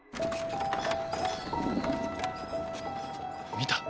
見た？